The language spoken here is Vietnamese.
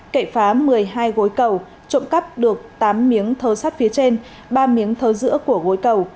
cậy phá một mươi hai gối cầu trộm cắp được tám miếng thơ sát phía trên ba miếng thơ giữa của gối cầu